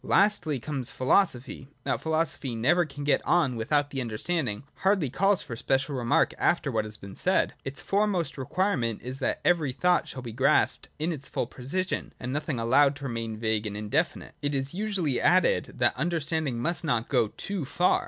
Lastly comes Philosophy. That Philosophy never can get on without the understanding hardly calls for special remark after what has been said. Its foremost requirement is that every thought shall be grasped in its full precision, and nothing allowed to remain vague and indefinite. It is usually added that understanding must not go too far.